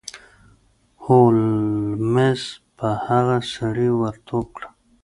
هولمز په هغه سړي ور ټوپ کړ.